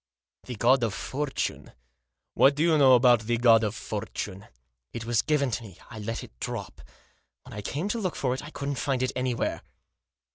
" The God of Fortune ? What do you know about the God of Fortune?" " It was given to me. I let it drop. When I came to look for it I couldn't find it anywhere."